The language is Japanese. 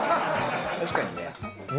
確かにね。